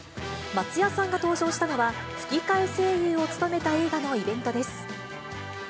松也さんが登場したのは、吹き替え声優を務めた映画のイベントです。